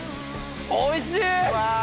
おいしい！